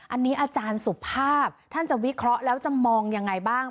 อันนี้อาจารย์สุภาพท่านจะวิเคราะห์แล้วจะมองยังไงบ้าง